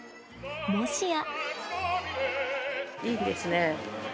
もしや。